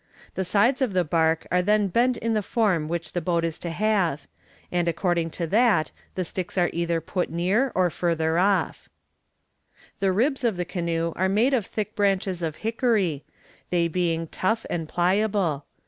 The sides of the bark are then bent in the form which the boat is to have, and according to that, the sticks are either put near or further off. "The ribs of the canoe are made of thick branches of hickory, they being tough and pliable.